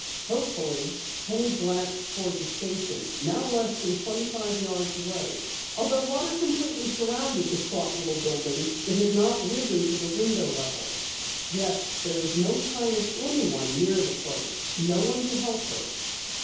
Hopefully, Penny glanced toward the station, now less than twenty five yards away. Although water completely surrounded the squat little building, it had not risen to the window level. Yet there was no sign of anyone near the place no one to help her.